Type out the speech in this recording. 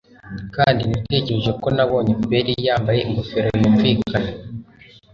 kandi natekereje ko nabonye peri yambaye ingofero yumvikana